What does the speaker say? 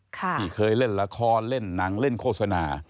ที่เคยเล่นละครเล่นหนังเล่นโฆษณา